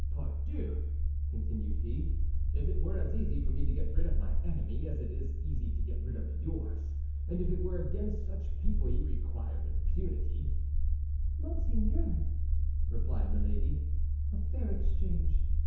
"Ah, pardieu!" continued he, "if it were as easy for me to get rid of my enemy as it is easy to get rid of yours, and if it were against such people you require impunity—" "Monseigneur," replied Milady, "a fair exchange.